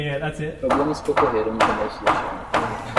Problemas que ocorreram no começo deste ano